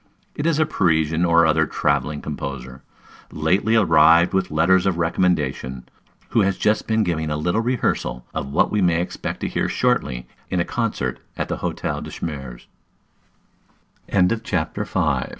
It is a Parisian or other travelling composer, lately arrived with letters of recommendation, who has just been giving a little rehearsal of what we may expect to hear shortly in a concert at the "Hôtel de Schmerz." CHAPTER VI.